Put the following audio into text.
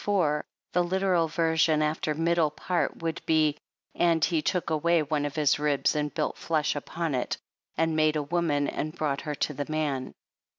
4, the literal version after middle part would be " and he took away one of his ribs and built flesh upon it, and made a woman and brought her to the man."